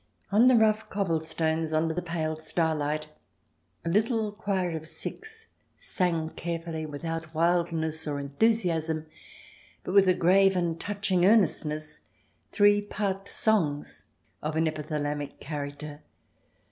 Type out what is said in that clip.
On the rough cobblestones, under the pale star light, a little choir of six sang carefully, without wildness or enthusiasm, but with a grave and touching earnestness, three part songs of an epi thalamic character.